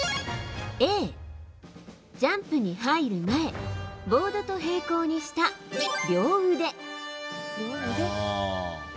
Ａ、ジャンプに入る前ボードと平行にした両腕。